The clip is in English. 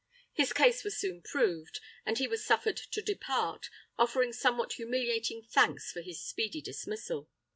His case was soon proved, and he was suffered to depart, offering somewhat humiliating thanks for his speedy dismissal.